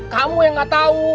kamu yang ga tau